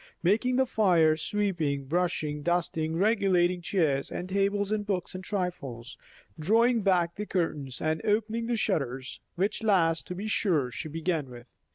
Making the fire, sweeping, brushing, dusting, regulating chairs and tables and books and trifles, drawing back the curtains and opening the shutters; which last, to be sure, she began with.